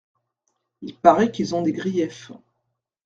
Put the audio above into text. Il paraît qu’ils ont des griefs.